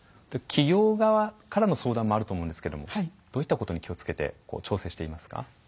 企業側からの相談もあると思うんですけどもどういったことに気をつけて調整していますか？